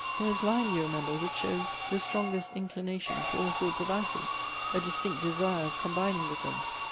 There is lime, you remember, which shows the strongest inclina tion for all sorts of acids — a distinct desire of combining with them.